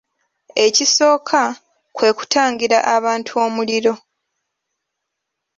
Ekisooka, kwe kutangira abantu omuliro.